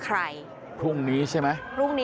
การสอบส่วนแล้วนะ